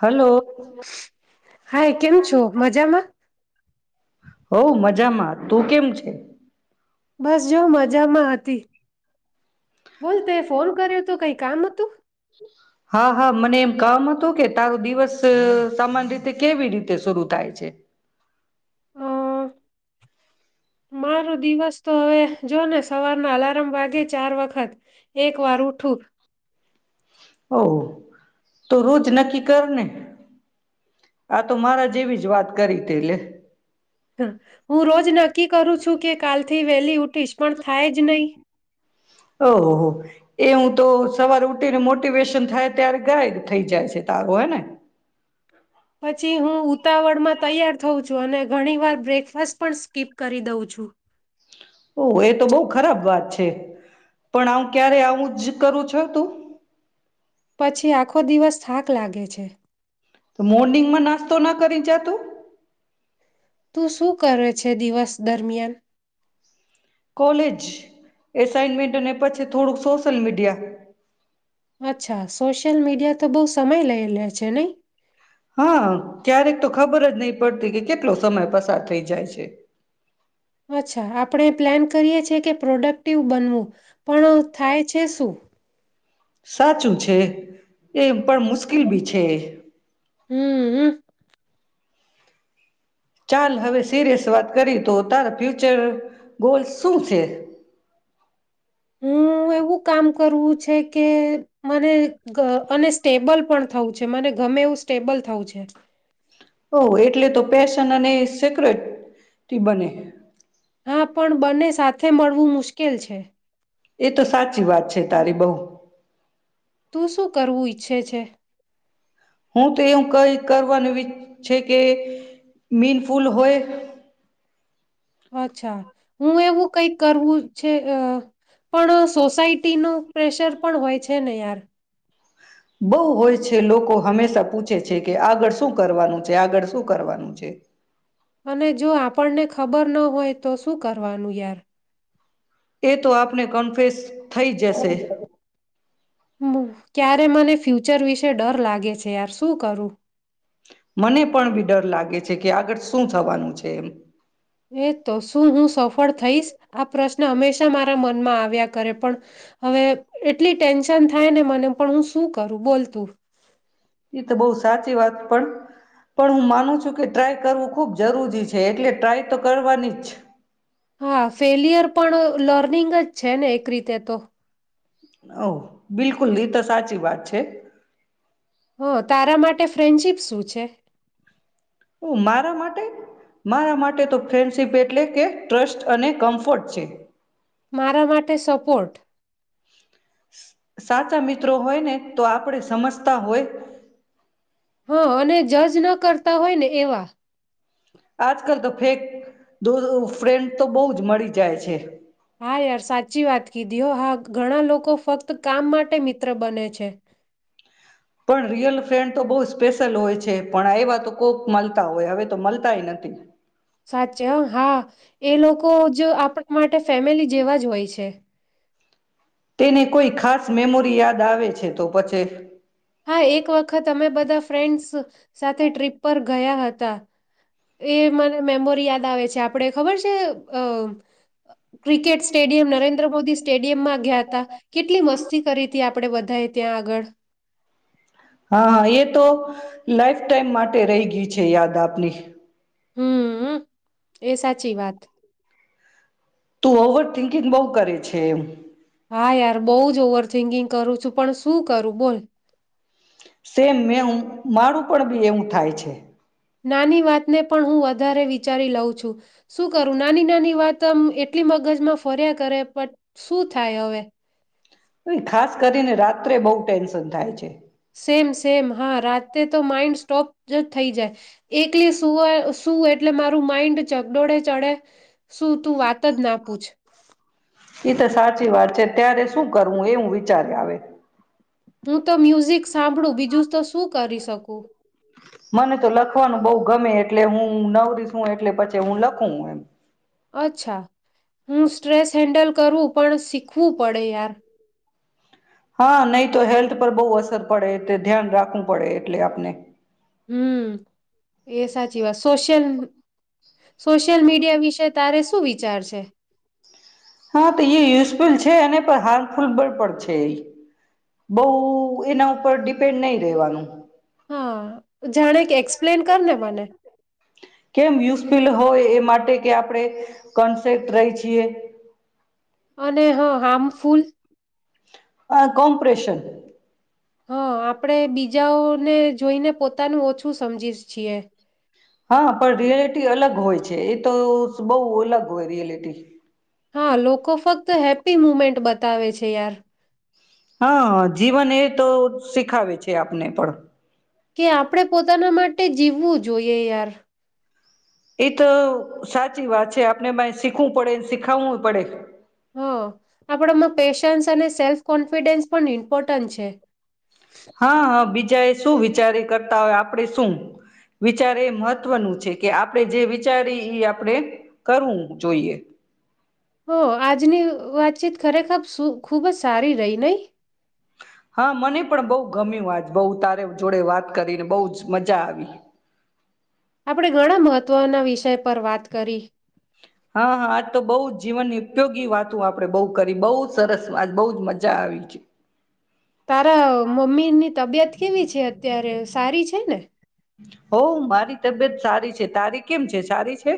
Hello hi કેમ છો મજામાં હો મજામાં તું કેમ છે. બસ જો મજામાં હતી. બોલ તે ફોન કર્યો તો કઈ કામ હતું હા હા મને એમ કામ હતું કે તારો દિવસ સમાન રીતે કેવી રીતે શરુ થાય છે. [inaudible] મારો દિવસ તો હવે જોને સવારના અલાર્મ વાગે ચાર વખત એક વાર ઉઠું ઓ તો રોજ નક્કી કર ને આ તો મારા જેવી જ વાત કરી તે લે હ હું રોજ નક્કી કરું છું કે કાલથી વહેલી ઊઠીશ પણ થાય જ નહીં ઓહ હો એ હું તો સવાર ઉઠ મોટિવેશન થાય ત્યારે ગાય થઈ જાય છે તાગો હે ને પછી હું ઉતાવર માં તૈયાર થવું છું અને ઘણી વાર બ્રેકફાસ્ટ પણ સ્કીપ કરી દઉં છું. ઓ એ તો બહુ ખરાબ વાત છે. પણ આવું ક્યારે આવું જ કરું છ તું પછી આખો દિવસ થાક લાગે છે. મોર્નિંગમાં [unintelligible] તો ના કરી જા તું તું શું કરે છે, દિવસ દરમિયાન કોલેજ એસઇનમેન્ટ અને પછી થોડુંક સોશલ મીડિયા અચ્છા સોશિયલ મીડિયા તો બહુ સમય લઈ લે છે, નહી હા ક્યારેક તો ખબર જ નહી પડતી કે કેટલો સમય પસાર થઈ જાય છે. અચ્છા આપણે પ્લાન કરીએ છીએ કે પ્રોડક્ટિવ બનવું. પણ થાય છે, શું સાચું છે, એ પણ મુશ્કેલ હમ બી છે હમ ચાલ હવે [unintelligible] વાત કરી તો તારા ફ્યુચર ગોલ શું છે. હમ એવું કામ કરું છ કે મને અને સ્ટેબલ પણ થવું છે, મને ગમે એવું સ્ટેબલ થવું છે. ઓહ એટલે તો પેશન અને [unintelligible] બને. હા પણ બંને સાથે મળવું મુશ્કેલ છે. એ તો સાચી વાત છે, તારી બહુ તું શું કરવું ઈચ્છે છે. હું તો એવું કઈ કરવાનું [unintelligible] છે, કે મીન ફૂલ હોય. અચ્છા હું એવું કઈક કરવું. છે પણ સોસાયટી ન પ્રેશર પણ હોય છે, ને યાર બહુ હોય છે લોકો હંમેશા પૂછે છે, કે આગળ શું કરવાનું છે, આગળ શું કરવાનું છે. અને જો આપણને ખ ખબર ન હોય તો શું કરવાનું યાર. એ તો આપને કન્ફેસ. થઈ જશે ક્યારે મને ફ્યુચર વિશે. છે, ડર લાગે છે યાર શું કરું. મને પણ બીડર લાગે છે, કે આગળ શું થવાનું છે, એમ. એ તો શું હું સફળ થઈશ આ પ્રશ્ન હંમેશા મારા મનમાં આવ્યા કરે પણ હવે એટલી ટેન્શન થાય ને મને પણ હું શું કરું બોલતું એ તો બહુ સાચી વાત પણ પણ હું માનું છું કે ટ્રાય કરવું ખુબ જરૂરી છે, એટલે ટ્રાય તો કરવાની જ છે. હા ફેલિયર પણ લર્નિંગ જ છે, ને એક રીતે તો ઓ બિલકુલ ની તો સાચી વાત છે. હ તારા માટ ટે ફ્રેન્ડશિપ શું છે? ઓહ મારા માટે? મારા માટે તો ફ્રેન્ડશિપ એટલે કે ટ્રસ્ટ અને કમ્ફર્ટ છે. મારા માટે સપોર્ટ. સાચા મિત્રો હોય ને તો આપડે સમજતા હોય હ અને જજ ન કરતા હોય ને એવા. આજકાલ તો ફેક ધો ધો ફ્રેન્ડ તો બહુ જ મળી જાય છે. હા યાર સાચી વાત. કીધી હો હા. ઘણા લોકો ફક્ત કામ માટે મિત્ર બને છે. છે. પણ રિયલ ફ્રેન્ડ તો બહુ સ્પેશલ હોય છે પણ એવા તો કોક મલતા હોય હવે તો મલતાય નથી. સાચે હા, એ લોકો જ આપણા માટે ફેમિલી જેવા જ હોય છે. તેને કોઈ ખાસ મેમોરી યાદ આવે છે તો પછી હા એક વ ખત અમે બધા ફ્રેન્ડસ સાથે ટ્રીપ પર ગયા હતા. એ મને મેમોરી યાદ આવે છ. જે આપણે ખબર છે અ ક્રિકેટ સ્ટેડિયમ નરેન્દ્ર મોદી સ્ટેડિયમમાં ગયા તા કેટલી મસ્તી કરી હતી આપડે બધાએ ત્યાં આગળ. હા હા એ તો લાઈફ ટાઈમ માટ માટે રહી ગઈ છે યાદ આપની. [inaudible] હમ્મ, એ સાચી વાત. તું ઓવર થિંકિંગ બહુ કરે છે એમ. હા યાર બઉુ જ ઓવર થિન્કિંગગ કરું છું પણ શું કરું બોલ. સેમ મે ઉ મારું પણ બી એવું થાય છે. નાની વાત ને પણ હું વધ ધારે વિચારી લઉં છું. શું કરું નાની-નાની વાત તમ એટલી મગજમાં ફર્યા કરે પ શું થાય હવે? ખાસ કરીને રાત્રે બહુ ટેન્શન થાય છે. સેમ સેમ હા રાજ તે તો માઈન્ડ સ્ટોપ જ થઈ જાય, એકલી શું એટલે મારું માઇન્ડ ચગડોળે ચડે. શું તું વાત જ ના પૂછ. એ તો સાચી વાત છે ત્યારે શું કરવું એવું વિચારે આવે. હું તો મ્યુઝિક સાંભળું બીજું તો શું કરી શકું. મને તો લખવાનું બહુ ગમે એટલે હું નવરી છું એટલે પછી હું લખું એમ. અચ્છા. હું સ્ટ્રેસ હેન્ડલ કરું પણ શીખ ીખવું પડે યાર. હા નહી તો હેલ્થ પર બહુ અસર પડે તે ધ્યાન રાખવું પડે એટલે આપને. હમ. એ સાચી વાત સોશિયલ, સોશિયલ મીડિયા વિશે તારે શું વિચાર છે? લ છે અને પણ હાર્મફુલ બળ પણ છે એ, બહ એના ઉપર ડિપેન્ડ નહી રહેવાનું. હા. જાણે કે એક્સપ્લેન કરને. મને. કેમ યુઝફુલ હોય એ માટે કે આપડણે, કોન્સેપ્ટ રહી છીએ. અને હ હાર્મફુલ અહ કોમ્પ્રેશન હા, આપડે બીજાઓને જોઈને પોતાનું ઓછું સમજી છીએ. હા, પણ રિયે ટી અલગ હોય છે. એ તો સ બહુ અલગ હોય રિયલિટી. હા, લોકો ફક્ત હેપી મુમેન્ટ બતાવે છે યાર. હા, જીવન એ તો શીખાવે છે આપને પણ. કે આપણે પોતાના માટ ટે જીવવું જોઈએ યાર. એ તો સાચી વાત છે. આપણે માઈ શીખવું પડે શીખાવવું પડે. હ, આપડામાં પેશન્સ અને સેલ્ફ કોન્ફિડન્સ પણ ઇમ્પોર્ટ ટન છે. હાઆ બીજા એ શું વિચારી કરતા હોય આપડે શું, વિચારે એ મહત્વનું છે કે આપણે જે વિચારી એ આપડે કરવું જોઈએ. હો આજનું અહ વાતચીત ખરેખર સુ ખૂબ જ સારી રહી નઈ? હા, મને પણ બહુ ગમ્યું આજ બહ તારે જોડે વાત કરીને બહ જ મજા આવી. આપણે ઘણા મહત્વના વિષય પર વાત કરી. હા હા આજ તો બહુ જીવનની ઉપયોગી વાતો આપડે બહુ કરી, બહુ સરસ વાત, બહુજ મજા આવી છે. તારા અહ મમ્મી ની તબિયત કેવી છે અત્યારે, સારી છે ને? હઓ મારી તબિયત સારી છે. તારી કેમ છે, સારી છે?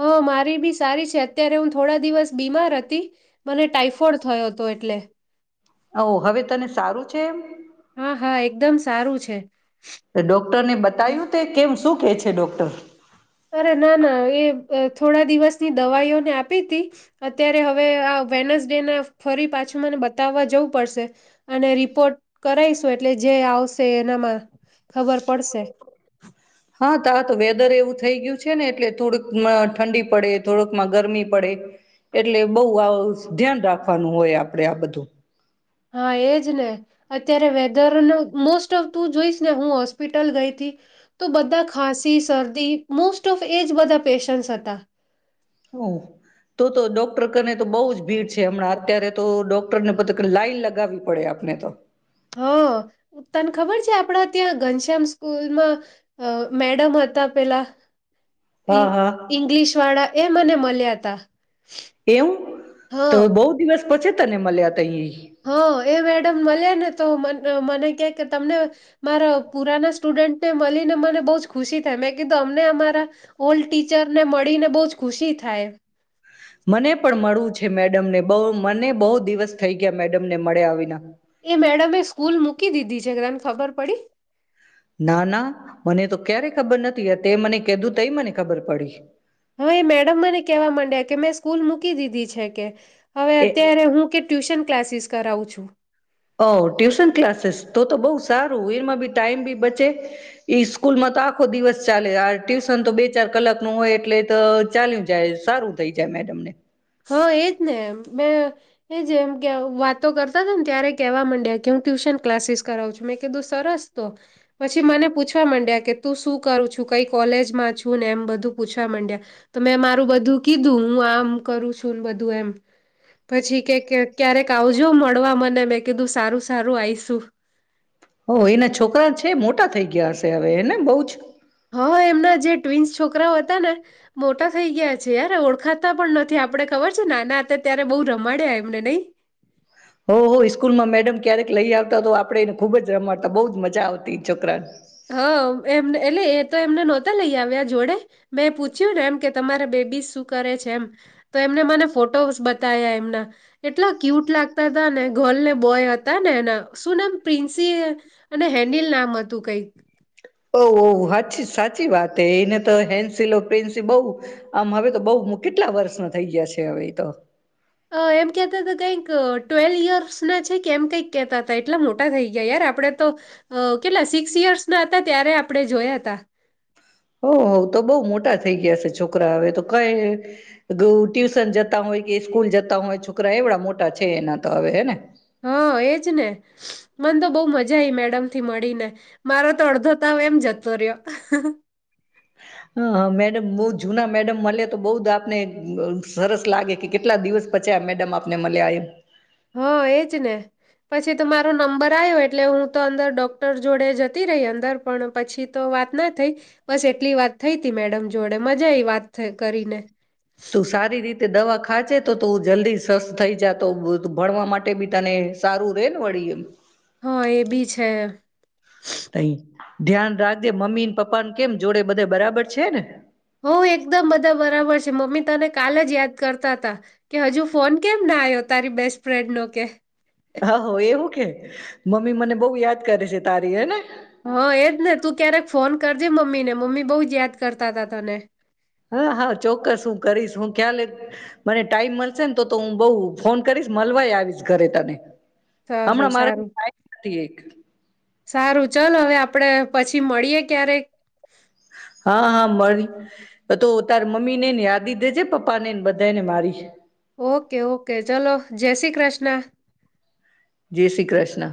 હ મારી બી સારી છે. અત્યારે હું થોડા દિવસ બીમાર હતી મને ટાાઈફોઇડ થયો હતો એટલે. હઓ હવે તને સારું છે એમ? હા હા એકદમ સારું છે. તો ડોક્ટરને બતાવ્યું તે કેમ શું કે છેે ડૉક્ટર? અરે નાના એ અહ થોડા દિવસની દવાઈઓ ના આપી હતી અત્યારે હવે આ વેન્સડે ફરી પાછું મને બતાવવા જવું પડશે. અને રિપોર્ટ કરાવશું એટલે જે આવશ તે એનામાં ખબર પડશે હા તારા તો વેધર એવું થઈ ગયું છે ને એટલે થોડુંક મ ઠંડી પડે થોડુંક માં ગરમી પડે એટલે બહુ આવ ધ્યાન રાખવાનું હોય આપડે આ બધું. હા, એજ ને અત્યારે વેધરનો મોસ્ટ ઓફ તું જોઈશ ને હું હોસ્પિટલ ગઈ હતી તો બધા ખાંસી શરદી મોસ્ટ ઓફ એજ બધા પેશન્ટ્સ હતા. હો તો તો ડોક્ટર કરને તો બહુ જ ભીડ છે હમણાં અત્યારે તો ડોક્ટરને પત્ર કે લાઈન લગાવવી પડે આપને તો. હ અહ તને ખબર છે આપડા ત્યાં ઘનશ્યામ સ્કૂલમાં અહ મેડમ હતા પેલા હા હા ઇં-ઇંગ્લિશ વાળા એ મને માલ્યા હતા. એવું? હા તો બહુ દિવસ પછી તને મલ્યા તા ઈ. હા એ મેડમ મલિયા ને તો મન મ મને કે કે તમને મારો પુરાના સ્ટુડન્ટને મલીને મને બહુ જ ખુશી થઈ. મેં કીધું અમને અમારા સ્કૂલ ટીચર ને મડ ડી ને બહુ જ ખુશી થાય. મને પણ મળવું છે મેડમ ને. બહુ મને બહુ દિવસ થઈ ગયા મેડમ ને મળ્યા વીના. એ મેડમ એ સ્કૂલ મૂકી દીધી છે, કેમ ખબર પડી? ના ના મને તો ક્યારેય ખબર નથી. તે મને કીધું તઈ મને ખબર પડી. હવે એ મેડમ મને કેવા મંડ્યા કે મેં સ્કૂલ મૂકી દીધી છે કે હવે એ અત્યારે હું કે ટ્યુશન ક્લાસીસ કરાવું છું. ઓ, ટ્યુશન ક્લાસીસ તો તો બઉ સારું એમાં બી ટાઈમ બી બચે, ઈ સ્કૂલમાં તો આખો દિવસ ચાલે, આ ટ્યુશન તો બે ચાર કલાક નું હોય, એટલે તો ચાલ્યું જાય, સારું થઈ જાય મેડમને હા, એજ ને એમ મે એજમ કે વાતો કરતા હતા ને ત્યારે કેવા માંડ્યા, કે હું ટ્યુશન ક્લાસીસ કરાવું છું. મેં કીધું સરસ તો પછી મને પૂછવા માંડ્યા કે તું શું કરું છું, કઈ કોલેજ માં છું ને એમ બધું પૂછવા માંડ્યા. તો મેં મારું બધું કીધું. હું, આમ કરું છું ને બધું એમ પછી કે ક્યારેક આવજો મળવા મને મેં કીધું સારું સારું આઈશું. હો એના છોકરા છે, મોટા થઈ ગયા હશે હવે, હેને બઉ જ? હા, એમના જે ટ્વિન્સ છોકરાઓ હતા ને મોટા થઈ ગયા છે યાર ઓળખાતા પણ નથી, આપડે ખબર છે નાના હતા ત્યારે બહુ રમાડ્યા એમને નઈ. હો હો સ્કૂલમાં મેડમ ક્યારેક લઈ આવતા તો આપડે એને ખુબ જ રમાડતા બઉુજ મજા આવતી છોકરાને હા, એમ એટલે તો એમને નોતા લઈ આવ્યા જોડે, મેં પૂછ્યું ને એમ કે તમારા બેબીસ શું કરે છે, એમ તો એમને મને ફોટોસ બટ એમના એટલા ક્યુટ લાગતા તા ને ગલ ને બોય હતા ને એના શું નામ પ્રિન્સી અને હેન્ડિલ નામ હતું કઈક ઓ ઓ ઓ હા સાચી સાચી વાત એને તો હેન્સીલો પ્રીન્સી બહ આમ હવે તો બઉ કેટલા વર્ષનો થઈ ગયા છે હવે ઈ તો હા એમ કેતે તો કઈક તો ટ્વેલ્વ યર્સ ના છે કેમ કંઈક કેતા હતા એટલા મોટા થઈ ગયા યાર આપડે તો કેટલા સિક્સ યર્સ ના હતા ત્યારે આપડણે જોયા તા હો હો તો બહુ મોટા થઈ ગયા છે છોકરા હવે તો કઈ ટ્યુશન જતા હોય કે સ્કૂલ જતા હોય છોકરા એવડા મોટા છે એના તો અવેતો હેને હા એજ ને મને તો બહ મજા આવીઈ મેડમ થી મળીને મારો તો અડધો તાવ એમ જતો રહ્યો હ મેડમ બહ જુના મેડમ મળે તો બઉ જ આપને સરસ લાગે કે કેટલા દિવસ પછી આ મેડમ આપને મલ્યા એમ પથી તો મારો નંબર આવ્યો એટલે હું તો અંદર ડોક્ટર જોડે જતી રહી અંદર પણ પછી તો વાત ના થઈ બસ એટલી વાત થઈ ત મેડમ જોડે મજા આવી વાત કરીને તું સારી રીતે દવા ખાજે તો તું જલ્દી સરસ્સ થઈ જ તો ભણવા માટે બી તને સારું રે ને વળી એમ હ એ બી છે તય ધ્યાન રાખ દે મમ્મી ને પપ્પા ને કેમ જોડે બધે બરાબર છે ને હો એકદમ બધા બરાબર છે મમ્મી તને કાલે જ યાદ કરતા હતા કે હજુ ફોન કેમ ના આવ્યો તારી બેસ્ટ ફ્રેન્ડ નો કે હા હો એવું મમ્મી મને બહુ યાદ કરે છે તારી હને હા એજ ને તું ક્યારેક ફોન કરજે મમ્મી ને મમ્મી બહુ જ યાદ કરતા ત તને હા હા ચોક્કસ હું કરીશ હું ખ્યાલ મને ટાઈમ મળશે ને તો તો હું બઉ ફોન કરીશ મળવાય આવીશ ઘરે તને સારું હમણાં મારા સારું નાઈટ ડ્યુટી એક સારું ચાલ હવે આપડે પછી મળીએે ક્યારેક હા હા મળી તો તાર મમ્મી ને ને યાદી દેજ પપ્પા ને ને બધાને મારી ઓકે ઓકે ચલો જય શ્રી કૃષ્ણ. જય શ્રી કૃષ્ણ.